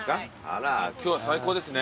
今日は最高ですね